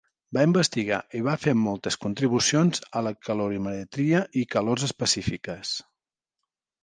Va investigar i va fer moltes contribucions a la calorimetria i calors específiques.